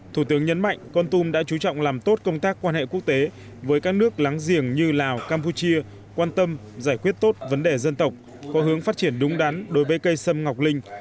thủ tướng nhấn mạnh con tum đã chú trọng làm tốt công tác quan hệ quốc tế với các nước láng giềng như lào campuchia quan tâm giải quyết tốt vấn đề dân tộc có hướng phát triển đúng đắn đối với cây sâm ngọc linh